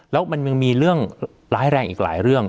แล้วมันยังมีเรื่องร้ายแรงอีกหลายเรื่อง